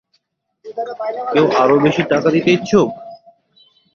কেউ আরো বেশি টাকা দিতে ইচ্ছুক?